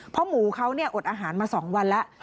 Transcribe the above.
เพราะหมูเขาอดอาหารมา๒วันแล้ว